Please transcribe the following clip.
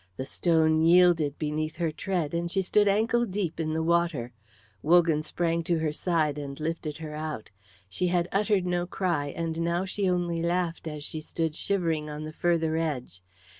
The stone yielded beneath her tread and she stood ankle deep in the water. Wogan sprang to her side and lifted her out. She had uttered no cry, and now she only laughed as she stood shivering on the further edge.